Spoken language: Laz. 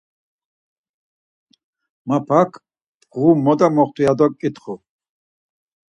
Mapak, mğu moda moxtu, ya do ǩitxu.